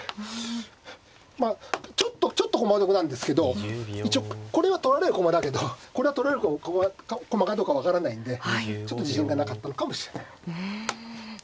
まあちょっと駒得なんですけど一応これは取られる駒だけどこれは取られる駒かどうか分からないんでちょっと自信がなかったのかもしれない。